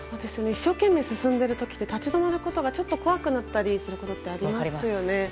一生懸命進んでいる時って立ち止まることが怖くなったりすることがありますよね。